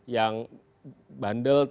yang bandel tidak kemudian over bandelnya